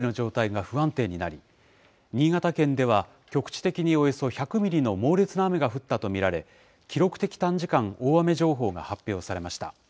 前線や湿った空気の影響で、北日本から西日本の各地で大気の状態が不安定になり、新潟県では局地的におよそ１００ミリの猛烈な雨が降ったと見られ、記録的短時間大雨情報が発表されました。